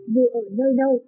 dù ở nơi đâu